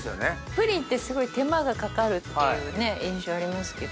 プリンってすごい手間がかかるっていう印象ありますけど。